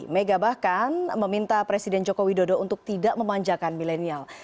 mega bahkan meminta presiden joko widodo untuk tidak memanjakan milenial